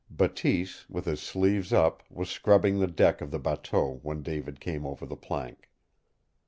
Bateese, with his sleeves up, was scrubbing the deck of the bateau when David came over the plank.